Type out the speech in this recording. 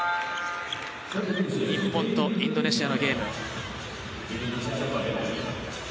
日本とインドネシアのゲーム。